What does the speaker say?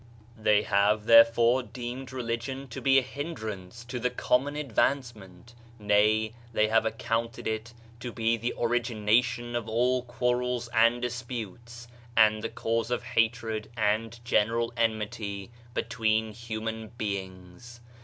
They have, therefore, deemed reli gion to be a hindrance to the common advance ment; nay, they have accounted it to be the origina tion of all quarrels and disputes; and the cause of hatred and general enmity between human be ings.